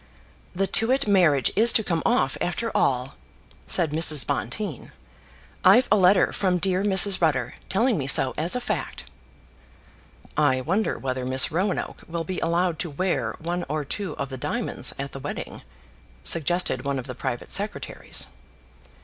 "The Tewett marriage is to come off, after all," said Mrs. Bonteen. "I've a letter from dear Mrs. Rutter, telling me so as a fact." "I wonder whether Miss Roanoke will be allowed to wear one or two of the diamonds at the wedding," suggested one of the private secretaries.